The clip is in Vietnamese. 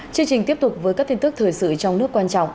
chương trình tiếp tục với các tin tức thời sự trong nước quan trọng